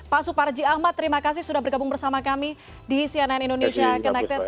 pak suparji ahmad terima kasih sudah bergabung bersama kami di cnn indonesia connected